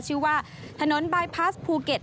ชื่อว่าถนนบายพลาสภูเก็ต